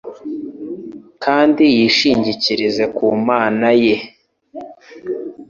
kandi yishingikirize ku Mana ye.”